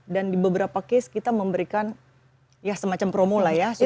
dan di beberapa case kita memberikan ya semacam promo lah ya